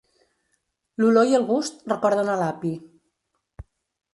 L'olor i el gust recorden a l'api.